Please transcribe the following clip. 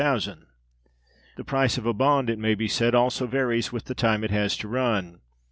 The price of a bond, it may be said, also varies with the time it has to run.